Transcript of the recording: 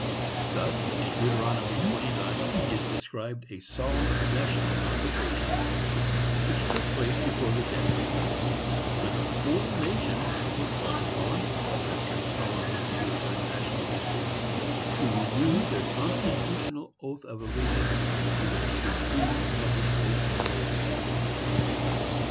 Thus, in Deuteronomy 29, is described a solemn national convocation, which took place before the death of Moses, when the whole nation were called upon, after a solemn review of their national history, to renew their constitutional oath of allegiance to their supreme Magistrate and Lord.